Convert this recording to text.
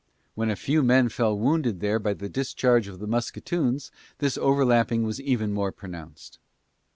When a few men fell wounded there by the discharge of the musketoons this overlapping was even more pronounced.